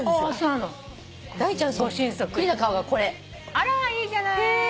あらいいじゃない。